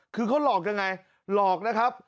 คือเขาหลอกยังไงหลอกนะครับ